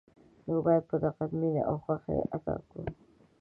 نو باید په دقت، مینه او خوښه یې ادا کړو.